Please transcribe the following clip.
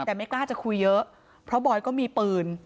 แต่ไม่กล้าจะคุยเยอะเพราะบอยก็มีปืน